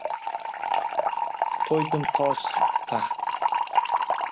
«To’ydim toj-taxt